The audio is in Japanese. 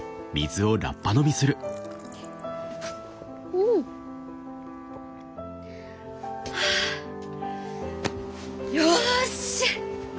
うん！はあ。よし！